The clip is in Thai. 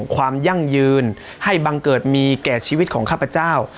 ยั่งยืนให้บังเกิดมีแก่ชีวิตของข้าพเจ้า